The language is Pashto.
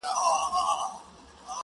o تا منلی راته جام وي د سرو لبو,